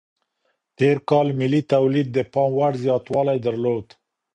تير کال ملي توليد د پام وړ زياتوالی درلود.